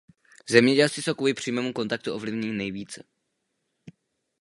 Zemědělci jsou kvůli přímému kontaktu ovlivněni nejvíce.